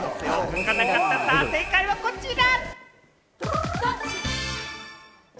正解はこちら。